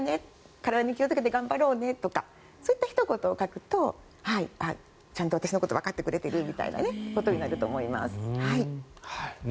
体に気をつけて頑張ろうねとかそういったひと言を書くとちゃんと私のことをわかってくれているなとなると思いますね。